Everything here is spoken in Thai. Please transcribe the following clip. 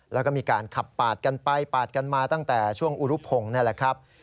แล้วก็มีการขับปาดกันไปปาดกันมาตั้งแต่ช่วงอุรุพงศ์นี่แหละครับ